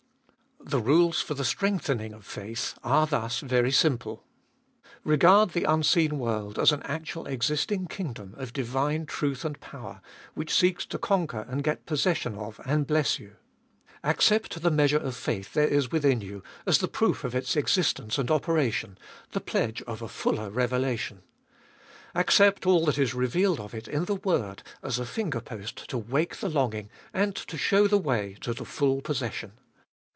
2. The rules for the strengthening of faith are thus very simple. Regard the unseen world as an actually existing kingdom of divine truth and power, which seeks to conquer and get possession of and bless you. Accept the measure of faith there is within you as the proof of its existence and operation, the pledge of a fuller revelation. Accept all that is revealed of it in the word as a finger post to wake the longing and to show the way to the full possession.